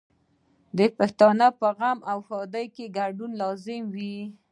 د پښتنو په غم او ښادۍ کې ګډون لازمي وي.